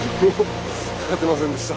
かかってませんでした。